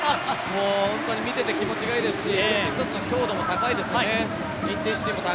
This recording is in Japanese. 見ていて気持ちがいいですし一つ一つの強度も高いですね。